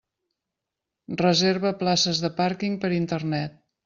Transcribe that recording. Reserva places de pàrquing per Internet.